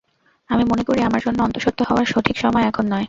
আমি মনে করি, আমার জন্য অন্তঃসত্ত্বা হওয়ার সঠিক সময় এখন নয়।